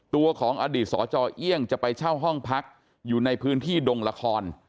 ตัวของอดีตสจเอี่ยงจะไปเช่าห้องพักอยู่ในพื้นที่ดงละคร